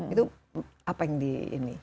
itu apa yang dilakukan